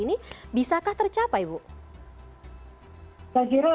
ini berarti target sebelumnya pemerintah untuk memvaksinasi orang